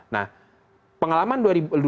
nah pengalaman dua ribu lima belas